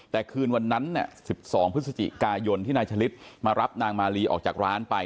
แต่คืนวันนั้น๑๒พฤศจิกายนที่นายฉลิดมารับนางมาลีออกจากร้านไป